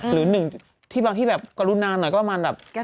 หรือหนึ่งที่บางที่แบบกรุณาหน่อยก็ประมาณแบบ